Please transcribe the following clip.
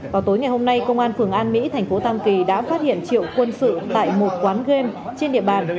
vào tối ngày hôm nay công an phường an mỹ thành phố tam kỳ đã phát hiện triệu quân sự tại một quán game trên địa bàn